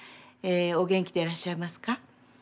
お元気でいらっしゃいますか？